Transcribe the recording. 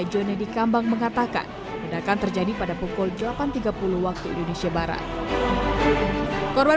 kennedy kambang mengatakan sedangkan terjadi pada pukul delapan tiga puluh waktu indonesia barat korban